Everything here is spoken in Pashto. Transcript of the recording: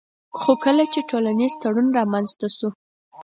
خو کله چي ټولنيز تړون رامنځته سو